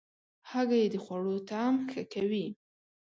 هګۍ د خوړو طعم ښه کوي.